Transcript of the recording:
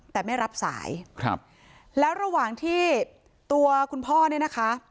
แต่ไม่รับสายครับแล้วระหว่างที่ตัวคุณพ่อเนี่ยนะคะ